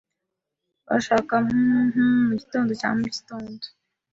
Urashaka ham ham mugitondo cya mugitondo?